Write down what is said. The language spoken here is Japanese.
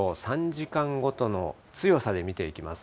３時間ごとの強さで見ていきます。